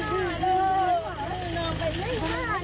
ดงร่วงแม่รับ